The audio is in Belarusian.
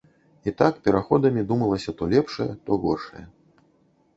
І так пераходамі думалася то лепшае, то горшае.